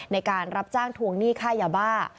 ในการรับจ้างทวงหนี้ค่ายาบ้า